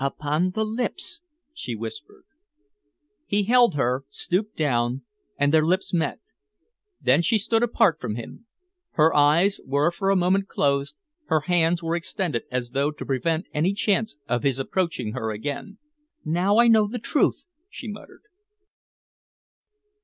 "Upon the lips," she whispered. He held her, stooped down, and their lips met. Then she stood apart from him. Her eyes were for a moment closed, her hands were extended as though to prevent any chance of his approaching her again. "Now I know the truth," she muttered.